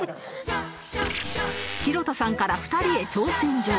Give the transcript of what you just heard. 弘田さんから２人へ挑戦状